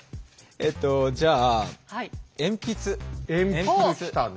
えっとじゃあ鉛筆きたね。